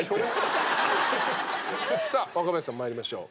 さあ若林さん参りましょう。